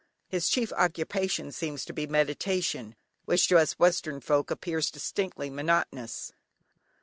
His chief occupation seems to be meditation, which to us western folk appears distinctly monotonous.